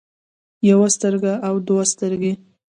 يوه سترګه او دوه سترګې